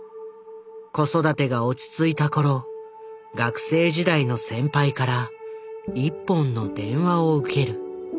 子育てが落ち着いた頃学生時代の先輩から一本の電話を受ける。